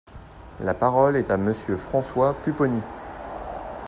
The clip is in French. La parole est à Monsieur François Pupponi.